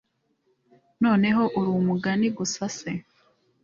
noneho uri umugani gusa se